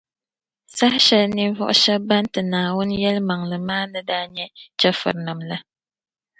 Saha shεli ninvuɣu shεba ban ti Naawuni yεlimaŋli maa ni daa nya chɛfurinim’ la